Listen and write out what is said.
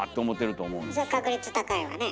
その確率高いわね。